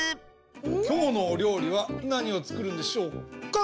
きょうのおりょうりはなにをつくるんでしょうか？